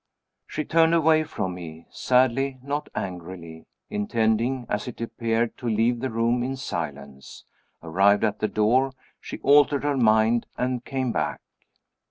She turned away from me sadly, not angrily intending, as it appeared, to leave the room in silence. Arrived at the door, she altered her mind, and came back.